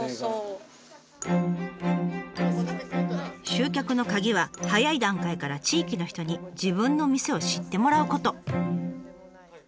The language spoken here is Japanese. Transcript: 集客の鍵は早い段階から地域の人に自分の店を知ってもらうこと。